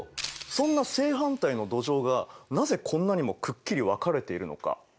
そんな正反対の土壌がなぜこんなにもくっきり分かれているのか。